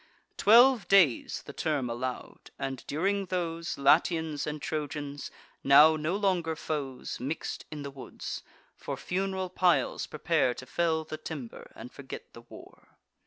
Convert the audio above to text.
Twelve days the term allow'd: and, during those, Latians and Trojans, now no longer foes, Mix'd in the woods, for fun'ral piles prepare To fell the timber, and forget the war.